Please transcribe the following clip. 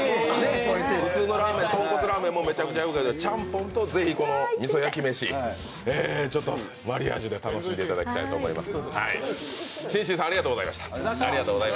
普通のとんこつラーメンもめちゃくちゃ合うけどちゃんぽんと、ぜひ、このみそ焼き飯、マリアージュで楽しんでいただきたいと思います。